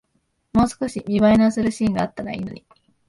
もう少し見栄えのするシーンがあったらいいのに